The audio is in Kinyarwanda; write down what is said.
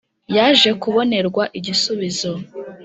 Yaje kubonerwa igisubizo.